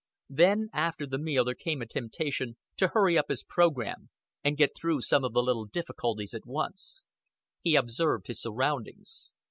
Then after the meal there came a temptation to hurry up his program, and get through some of the little difficulties at once. He observed his surroundings.